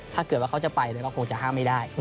ถ้าเกิดว่าเขาจะไปก็คงจะห้ามไม่ได้